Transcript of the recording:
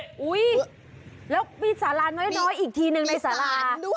อุ๊ยแล้วมีสาราน้อยอีกทีหนึ่งในสารา